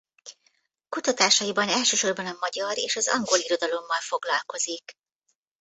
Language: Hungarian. Kutatásaiban elsősorban a magyar és az angol irodalommal foglalkozik.